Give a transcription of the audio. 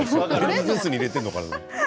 ジュースに入れているのかなと。